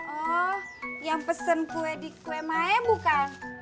oh yang pesen kue di kue mae bukan